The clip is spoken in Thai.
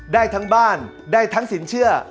ได้ทั้งบ้านได้ทั้งสินเชื่อ